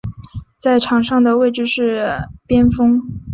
在场上的位置是边锋。